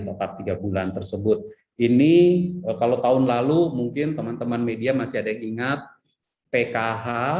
tetap tiga bulan tersebut ini kalau tahun lalu mungkin teman teman media masih ada yang ingat pkh